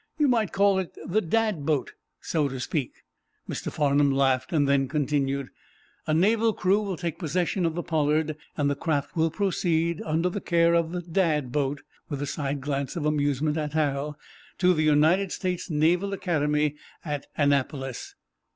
"You might call it the 'Dad' boat, so to speak." Mr. Farnum laughed, then continued: "A naval crew will take possession of the 'Pollard,' and the craft will proceed, under the care of the Dad boat"—with a side glance of amusement at Hal—"to the United States Naval Academy at Annapolis."